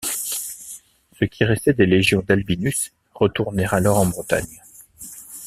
Ce qui restait des légions d’Albinus retournèrent alors en Bretagne.